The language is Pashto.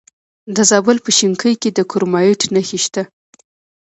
د زابل په شینکۍ کې د کرومایټ نښې شته.